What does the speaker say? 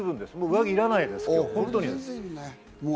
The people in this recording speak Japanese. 上着いらないです、今日は本当に。